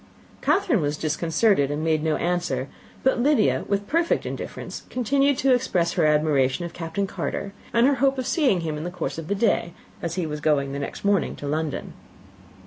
Catherine was disconcerted, and made no answer; but Lydia, with perfect indifference, continued to express her admiration of Captain Carter, and her hope of seeing him in the course of the day, as he was going the next morning to London.